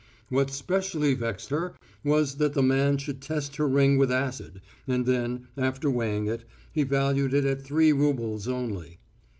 What specially vexed her was that the man should test her ring with acid, and then, after weighing it, he valued it at three roubles only.